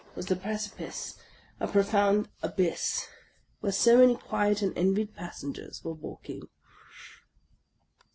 was the precipice, a profound abyss, where so many quiet and envied passengers were walking.